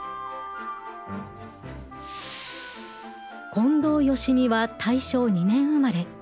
近藤芳美は大正２年生まれ。